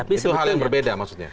itu hal yang berbeda maksudnya